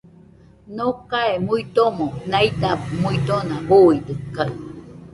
Nocae muidomo naida muidona, buidɨkaɨ